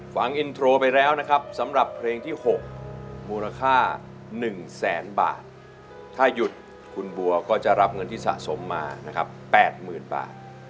ฟังอินโทรไปแล้วนะครับสำหรับเพลงที่๖มูลค่า๑แสนบาทถ้าหยุดคุณบัวก็จะรับเงินที่สะสมมานะครับ๘๐๐๐บาท